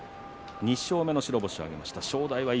２勝目の白星を挙げました大栄翔。